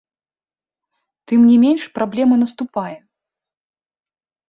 Тым не менш праблема наступае.